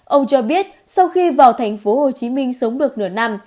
ông cho biết sau khi vào thành phố hồ chí minh sống được nửa năm